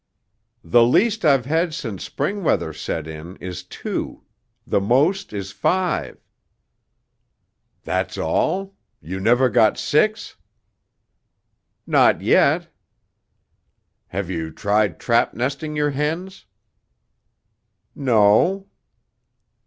"The least I've had since spring weather set in is two. The most is five." "That's all? You never got six?" "Not yet." "Have you tried trap nesting your hens?" "No."